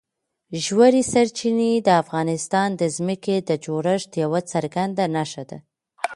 ژورې سرچینې د افغانستان د ځمکې د جوړښت یوه څرګنده نښه ده.